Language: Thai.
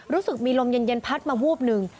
รู้สึกมีลมเย็นพัดมาวูบหนึ่ง